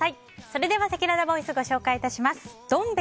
それでは、せきららボイスご紹介致します。